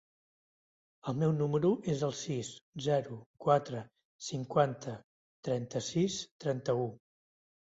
El meu número es el sis, zero, quatre, cinquanta, trenta-sis, trenta-u.